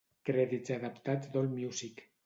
Crèdits adaptats d'Allmusic.